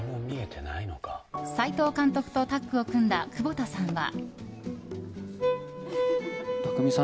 斎藤監督とタッグを組んだ窪田さんは。